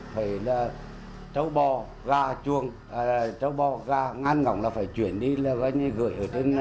cháu bò gà chuồng cháu bò gà ngăn ngỏng là phải chuyển đi là gọi như gửi